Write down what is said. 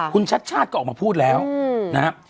คุณชัดก็ออกมาพูดแล้วนะฮะ